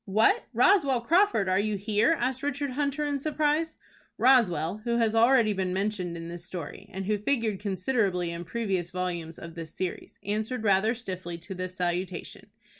"What, Roswell Crawford, are you here?" asked Richard Hunter, in surprise. Roswell, who has already been mentioned in this story, and who figured considerably in previous volumes of this series, answered rather stiffly to this salutation.